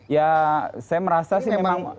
ya saya merasa sih memang